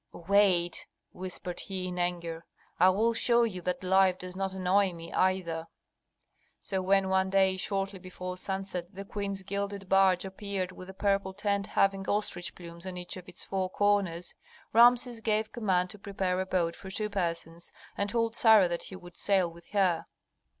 "Wait!" whispered he, in anger, "I will show you that life does not annoy me, either." So when one day, shortly before sunset, the queen's gilded barge appeared with a purple tent having ostrich plumes on each of its four corners, Rameses gave command to prepare a boat for two persons, and told Sarah that he would sail with her.